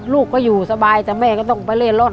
ลูกก็อยู่สบายแต่แม่ก็ต้องไปเล่นร่อน